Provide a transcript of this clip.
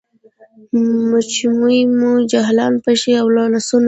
مچوي مو جاهلان پښې او لاسونه